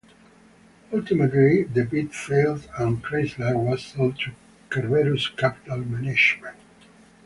Ultimately, the bid failed and Chrysler was sold to Cerberus Capital Management.